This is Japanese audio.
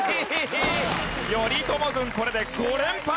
頼朝軍これで５連敗！